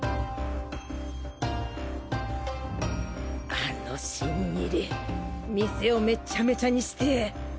あの新入り店をめちゃめちゃにして。